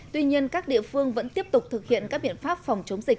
tuy nhiên các địa phương vẫn tiếp tục thực hiện các biện pháp phòng chống dịch